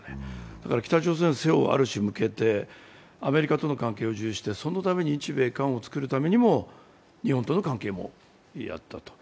だから北朝鮮に背をある種向けてアメリカとの関係を重視してそのために日米韓を作るためにも日本との関係をやった。